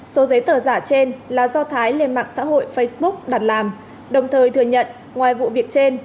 số giấy tờ giả trên là do thái lên mạng xã hội facebook đặt làm đồng thời thừa nhận ngoài vụ việc trên